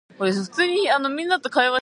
Dave has a beautiful wife named Dottie.